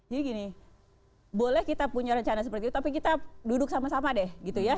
jadi gini boleh kita punya rencana seperti itu tapi kita duduk sama sama deh gitu ya